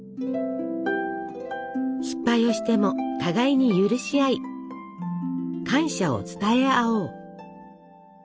失敗をしても互いに許し合い感謝を伝え合おう。